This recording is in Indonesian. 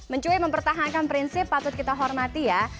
mencuri mempertahankan prinsip patut kita hormati ya